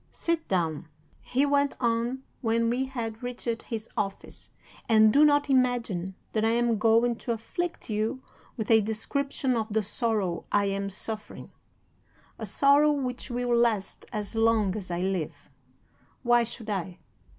"'Sit down,' he went on when we had reached his office, 'and do not imagine that I am going to afflict you with a description of the sorrow I am suffering a sorrow which will last as long as I live. Why should I?